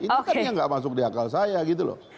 itu kan yang nggak masuk di akal saya gitu loh